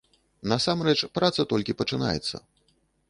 Насамрэч, праца толькі пачынаецца.